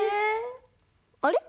あれ？